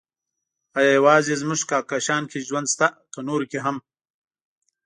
ايا يوازې زموږ کهکشان کې ژوند شته، که نورو کې هم؟